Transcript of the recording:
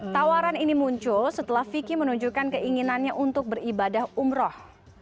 tawaran ini muncul setelah vicky menunjukkan keinginannya untuk beribadah umroh